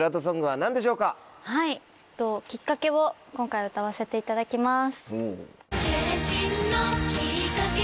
何でしょうか？を今回歌わせていただきます。